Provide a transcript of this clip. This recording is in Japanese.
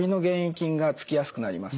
菌がつきやすくなります。